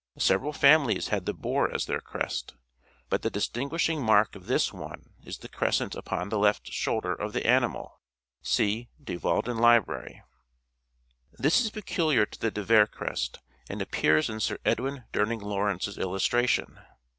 Several families had the Boar as their crest ; but the dis tinguishing mark of this one is the crescent upon the left shoulder of the animal (see " De Walden Library "). This is peculiar to the De Vere Crest, and appears in Sir Edwin Durning Lawrence's illustration.